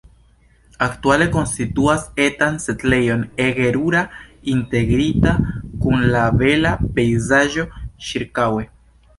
Aktuale konstituas etan setlejon ege rura, integrita kun la bela pejzaĝo ĉirkaŭe.